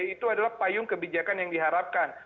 itu adalah payung kebijakan yang diharapkan